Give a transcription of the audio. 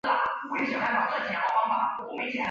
施魏根是德国巴伐利亚州的一个市镇。